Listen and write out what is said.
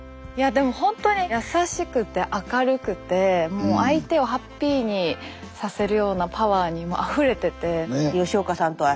でもほんとに優しくて明るくてもう相手をハッピーにさせるようなパワーにもうあふれてて。